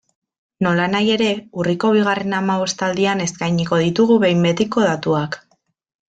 Nolanahi ere, urriko bigarren hamabostaldian eskainiko ditugu behin betiko datuak.